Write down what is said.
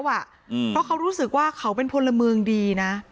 เพราะเขารู้สึกว่าเขาเป็นพลเมืองดีนะ